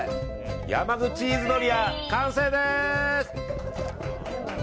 山口ーズドリア、完成です！